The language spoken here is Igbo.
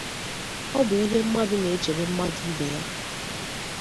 ọ bụ ihe mmadụ na-echere mmadụ ibe ya